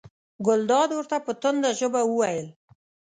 ګلداد ورته په تنده ژبه وویل.